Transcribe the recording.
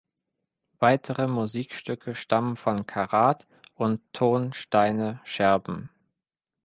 Weitere Musikstücke stammen von Karat und Ton Steine Scherben.